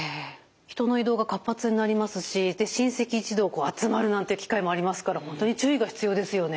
人の移動が活発になりますし親戚一同こう集まるなんていう機会もありますから本当に注意が必要ですよね。